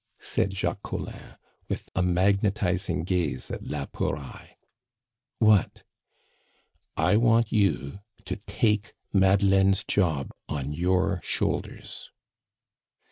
said Jacques Collin, with a magnetizing gaze at la Pouraille. "What?" "I want you to take Madeleine's job on your shoulders."